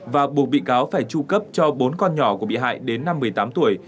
và buộc bị cáo phải tru cấp cho bốn con nhỏ của bị hại đến năm một mươi tám tuổi